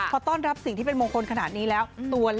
พอมงคลเมื่อเป็นมงคลขนาดนี้แล้ว